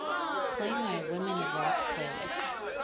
Play my Women of Rock playlist.